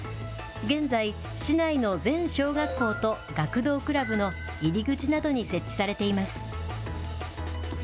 現在、市内の全小学校と学童クラブの入り口などに設置されています。